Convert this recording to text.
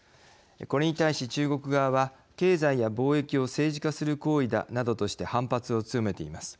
これに対し中国側は経済や貿易を政治化する行為だなどとして反発を強めています。